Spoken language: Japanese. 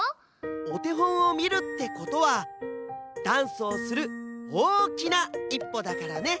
おてほんをみるってことはダンスをするおおきないっぽだからね！